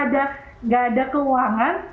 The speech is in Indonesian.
kita nggak ada keuangan